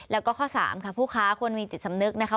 แล้วก็ข้อ๓ค่ะผู้ค้าควรมีจิตสำนึกนะคะ